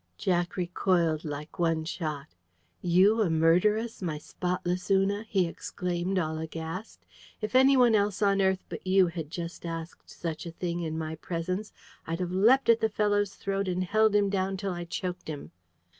Jack recoiled like one shot. "YOU a murderess, my spotless Una!" he exclaimed, all aghast. "If anyone else on earth but you had just asked such a thing in my presence, I'd have leapt at the fellow's throat, and held him down till I choked him!"